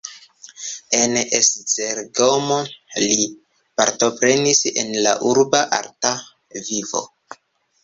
En Esztergom li partoprenis en la urba arta vivo.